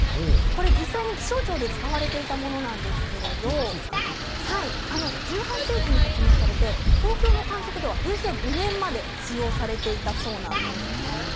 実際、気象庁で使われていたものなんですけれど１８世紀に発明されて東京の観測では平成５年まで使用されていたそうです。